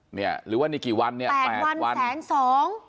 หรือว่านี่กี่วันเนี่ย๘วันแสนสอง